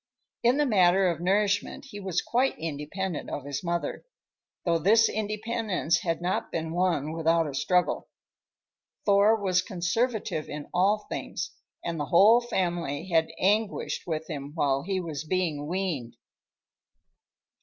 In the matter of nourishment he was quite independent of his mother, though this independence had not been won without a struggle. Thor was conservative in all things, and the whole family had anguished with him when he was being weaned.